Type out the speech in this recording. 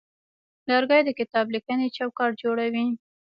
لرګی د کتابلیکنې چوکاټ جوړوي.